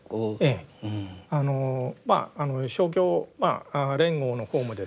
あのまあ勝共連合の方もですね